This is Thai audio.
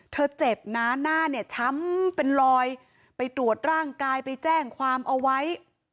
เจ็บนะหน้าเนี่ยช้ำเป็นลอยไปตรวจร่างกายไปแจ้งความเอาไว้